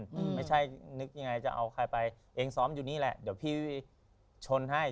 อืมไม่ใช่นึกยังไงจะเอาใครไปเองซ้อมอยู่นี่แหละเดี๋ยวพี่ชนให้